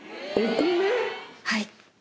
はい。